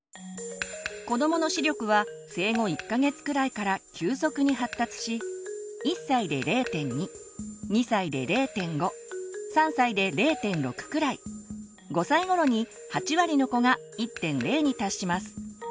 子どもの視力は生後１か月くらいから急速に発達し１歳で０．２２歳で０．５３歳で０．６くらい５歳頃に８割の子が１．０に達します。